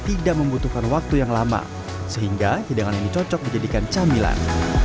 tidak membutuhkan waktu yang lama sehingga hidangan ini cocok dijadikan camilan